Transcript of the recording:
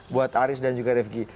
buat aris dan juga refki